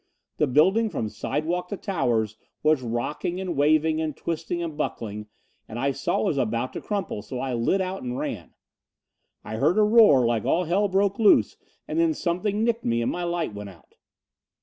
The building from sidewalk to towers was rocking and waving and twisting and buckling and I saw it was bound to crumple, so I lit out and ran. I heard a roar like all Hell broke loose and then something nicked me and my light went out."